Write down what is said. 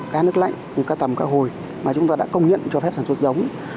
cá nước lạnh từ ca tầm ca hồi mà chúng ta đã công nhận cho phép sản xuất giống